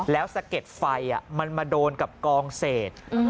แล้วสะเก็ดไฟมันมาโดนกับกองเศษ